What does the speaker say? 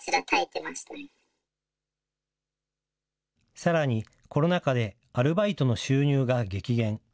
さらにコロナ禍でアルバイトの収入が激減。